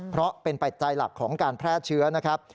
เพราะเป็นปัจจัยหลักของการแพร่เชื้อนะครับ